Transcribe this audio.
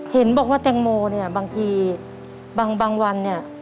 เห็นบอกว่าแตงโมเนี่ยบางทีบางวันเนี่ย